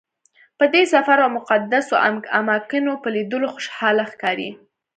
په دې سفر او د مقدسو اماکنو په لیدلو خوشحاله ښکاري.